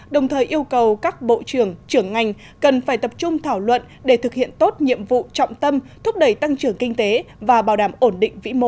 đồng thời yêu cầu các bộ trưởng trưởng ngành cần phải tập trung thảo luận để thực hiện tốt nhiệm vụ trọng tâm thúc đẩy tăng trưởng kinh tế và bảo đảm ổn định vĩ mô